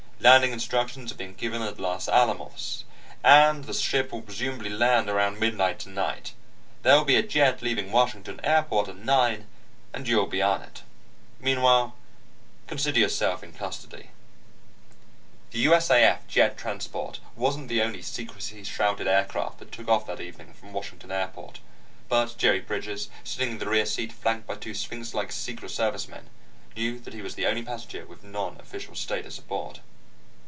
Landing instructions are being given at Los Alamos, and the ship will presumably land around midnight tonight. There will be a jet leaving Washington Airport at nine, and you'll be on it. Meanwhile, consider yourself in custody." The USAF jet transport wasn't the only secrecy shrouded aircraft that took off that evening from Washington Airport. But Jerry Bridges, sitting in the rear seat flanked by two Sphinx like Secret Service men, knew that he was the only passenger with non official status aboard.